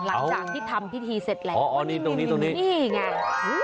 หลังจากที่ทำพิธีเสร็จแล้วอ๋อนี่ตรงนี้ตรงนี้นี่ไง